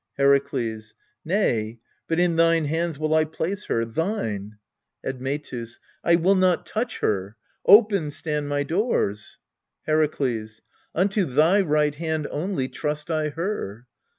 Herakles. Nay, but in thine hands will I place her thine. Admetus. I will not touch her! Open stand my doors. Herakles. Unto thy right hand only trust I her.